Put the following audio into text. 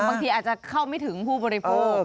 บางทีอาจจะเข้าไม่ถึงผู้บริโภค